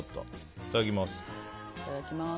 いただきます。